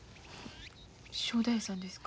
正太夫さんですか？